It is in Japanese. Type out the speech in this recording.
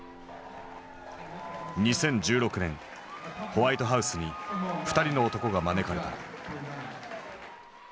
ホワイトハウスに２人の男が招かれた。